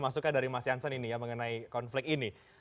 masukan dari mas jansen ini mengenai konflik ini